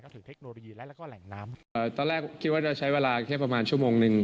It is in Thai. ตอนแรกคิดว่าจะใช้เวลาเทียบประมาณชั่วโมงหนึ่ง